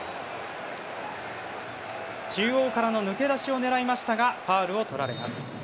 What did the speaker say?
中央からの抜け出しを狙いましたがファウルをとられます。